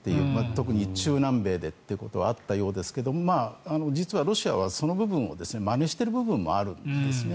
特に中南米でということはあったようですが実はロシアはその部分をまねしている部分もあるんですね。